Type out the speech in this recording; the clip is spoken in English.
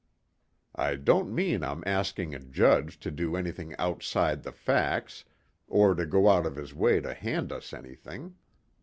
I don't mean I'm asking a judge to do anything outside the facts or to go out of his way to hand us anything.